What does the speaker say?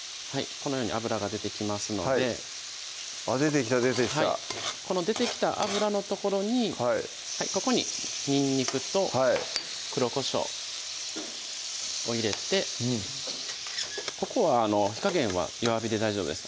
このように油が出てきますので出てきた出てきたこの出てきた油の所にここににんにくと黒こしょうを入れてここは火加減は弱火で大丈夫です